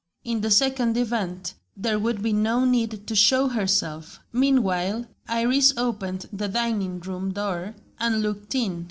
In the second event, there would be no need to show herself. Meanwhile, Iris opened the dining room door and looked in.